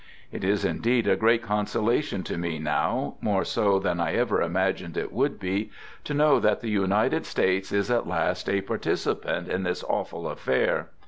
... It is indeed a great consolation to me now, more so than I ever imagined it would be, to know that the United States is at last a participant in this awful affair.